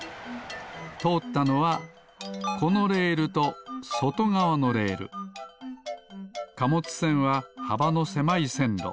とおったのはこのレールとそとがわのレール。かもつせんははばのせまいせんろ。